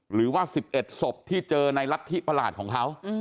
หรือว่า๑๑ศพที่เจอในรัฐธิประหลาดของเขา